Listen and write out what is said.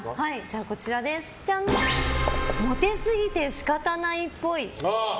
モテすぎて仕方ないっぽい。